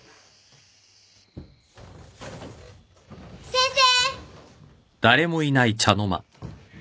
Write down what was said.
先生！